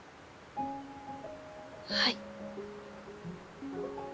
はい。